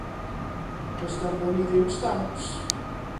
Does ganddon ni ddim stamps.